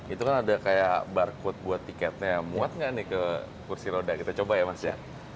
itu kan ada kayak barcode buat tiketnya muat nggak nih ke kursi roda kita coba ya mas ya